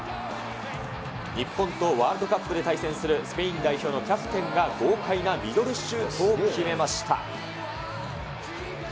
日本とワールドカップで対戦するスペイン代表のキャプテンが豪快なミドルシュートを決めました。